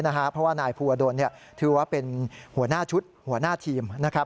เพราะว่านายภูวดลถือว่าเป็นหัวหน้าชุดหัวหน้าทีมนะครับ